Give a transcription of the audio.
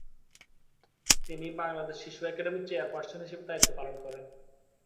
তিনি বাংলাদেশ শিশু একাডেমির চেয়ারপার্সন হিসেবে দায়িত্ব পালন করেন।